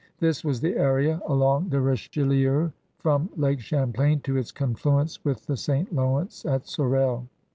This was the area along the Riche lieu from Lake Champlain to its confluence with the St. Lawrence at Sorel.